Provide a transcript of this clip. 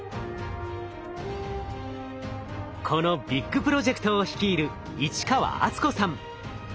このビッグプロジェクトを率いる市川温子さん。